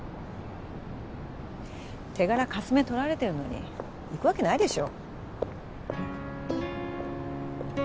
手柄かすめとられてるのに行くわけないでしょ